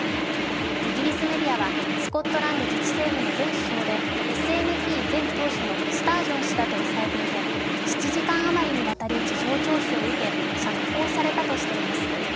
イギリスメディアはスコットランド自治政府の前首相でＳＮＰ前党首のスタージョン氏だと伝えていて７時間余りにわたり事情聴取を受け釈放されたとしています。